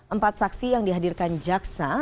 empat saksi yang dihadirkan jaksa